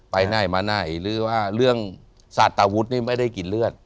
ไปไหนมาไหนหรือว่าเรื่องศาตาวุฒินี่ไม่ได้กินเลือด